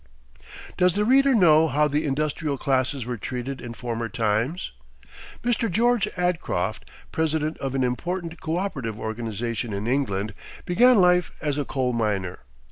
Does the reader know how the industrial classes were treated in former times? Mr. George Adcroft, president of an important coöperative organization in England, began life as a coal miner.